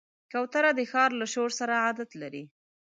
کوتره د ښار له شور سره عادت لري.